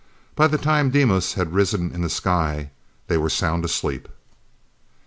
By the time Deimos had risen in the sky, they were sound asleep.